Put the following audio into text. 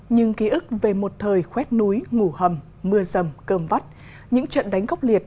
nhưng ký ức về một thời khoét núi ngủ hầm mưa rầm cơm vắt những trận đánh gốc liệt